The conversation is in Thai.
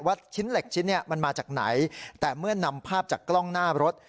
ชิ้นเหล็กชิ้นนี้มันมาจากไหนแต่เมื่อนำภาพจากกล้องหน้ารถ